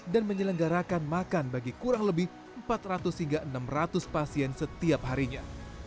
menyelenggarakan makan bagi kurang lebih empat ratus hingga enam ratus pasien setiap harinya